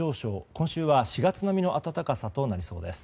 今週は４月並みの暖かさとなりそうです。